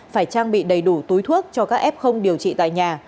phải trang bị đầy đủ túi thuốc cho các ép không điều trị tại nhà